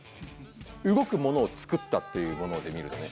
動くものをつくったっていうもので見るとね